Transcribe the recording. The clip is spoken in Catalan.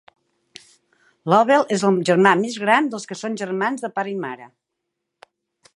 Lobel és el germà més gran dels que són germans de pare i mare.